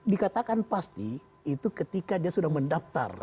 dikatakan pasti itu ketika dia sudah mendaftar